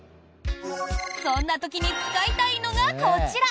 そんな時に使いたいのがこちら。